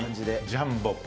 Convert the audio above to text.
ジャンボ。